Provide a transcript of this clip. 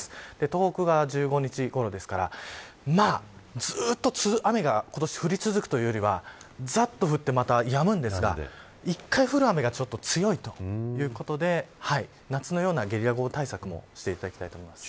東北は１５日ごろですからずっと雨が今年降り続くというよりはざっと降って、またやむんですが一回に降る雨がちょっと強いということで夏のようなゲリラ豪雨対策をしていただきたいと思います。